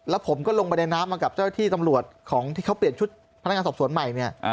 แล้วผมก็ลงไปในน้ำมากับเจ้าที่ตำรวจของที่เขาเปลี่ยนชุดพนักงานสอบสวนใหม่เนี่ย